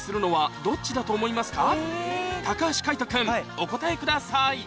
お答えください